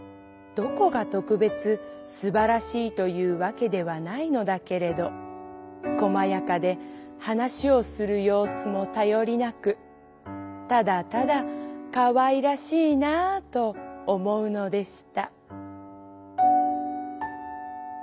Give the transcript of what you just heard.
どこがとくべつすばらしいというわけではないのだけれど細やかで話をする様子もたよりなくただただかわいらしいなあと思うのでした」。